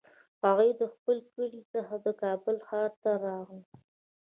هغوی له خپل کلي څخه د کابل ښار ته راغلل